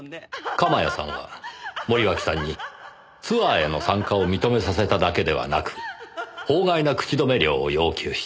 鎌谷さんは森脇さんにツアーへの参加を認めさせただけではなく法外な口止め料を要求した。